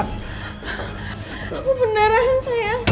aku beneran sayang